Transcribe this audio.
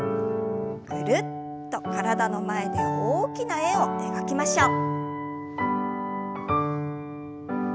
ぐるっと体の前で大きな円を描きましょう。